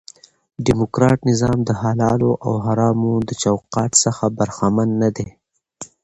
ډیموکراټ نظام دحلالو او حرامو د چوکاټ څخه برخمن نه دي.